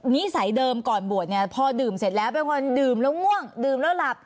สัยเดิมก่อนบวชเนี่ยพอดื่มเสร็จแล้วเป็นคนดื่มแล้วง่วงดื่มแล้วหลับ